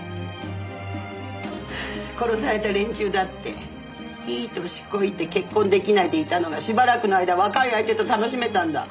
殺された連中だっていい歳こいて結婚出来ないでいたのがしばらくの間若い相手と楽しめたんだ。